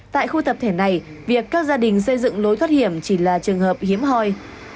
tại khu tập thể này việc các gia đình xây dựng lối thoát hiểm chỉ là trường hợp hiếm hoi